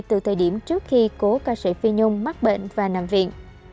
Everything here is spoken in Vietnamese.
từ thời điểm trước khi cố ca sĩ phi nhung mắc bệnh và nằm viện